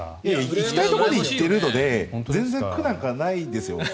行きたいところに行くので全然苦なんかないです。